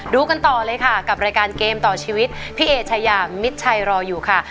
กันต่อเลยค่ะกับรายการเกมต่อชีวิตพี่เอชายามิดชัยรออยู่ค่ะ